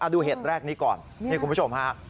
ดูเหตุแรกนี้ก่อนนี่คุณผู้ชมฮะ